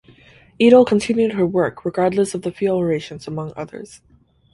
Edel continued her work regardless of the fuel rations among others.